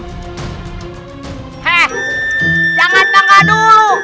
heh jangan mengadu